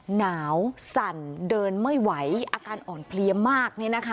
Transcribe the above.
หนาวสั่นเดินไม่ไหวอาการอ่อนเพลียมาก